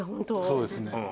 そうですね。